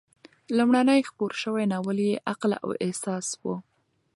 لومړنی خپور شوی ناول یې "عقل او احساس" و.